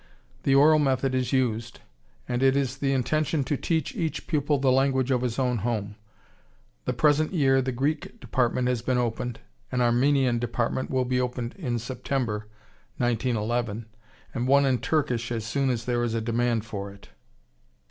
The oral method is used, and it is the intention to teach each pupil the language of his own home. The present year the Greek department has been opened, an Armenian department will be opened in September, 1911, and one in Turkish as soon as there is a demand for it.